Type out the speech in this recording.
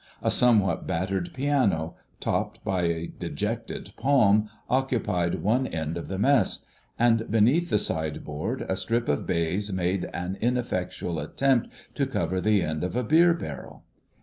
A somewhat battered piano, topped by a dejected palm, occupied one end of the Mess, and beneath the sideboard a strip of baize made an ineffectual attempt to cover the end of a beer barrel.